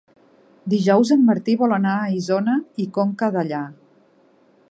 Dijous en Martí vol anar a Isona i Conca Dellà.